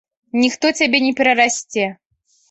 Ніхто цябе не перарасце.